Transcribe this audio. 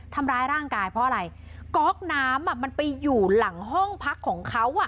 ทำร้ายร่างกายเพราะอะไรก๊อกน้ำอ่ะมันไปอยู่หลังห้องพักของเขาอ่ะ